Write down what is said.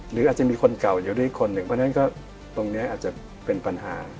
หรืออาจจะมีคนเก่าอยู่ด้วยคนหนึ่งเพราะฉะนั้นก็ตรงนี้อาจจะเป็นปัญหา